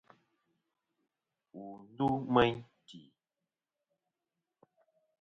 Wù ndu meyn tì.